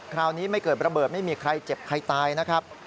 คราวนี้ไม่เกิดระเบิดไม่มีใครเจ็บใครตายนะครับ